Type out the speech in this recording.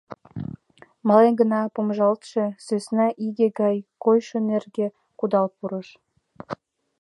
Мален гына помыжалтше, сӧсна иге гай койшо нерге кудал пурыш...